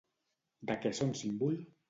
De què són símbol?